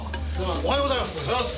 おはようございます！